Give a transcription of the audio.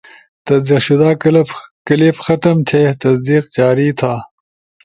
تصدیق شدہ کلپ ختم تھے؟ تصدیق جاری تھا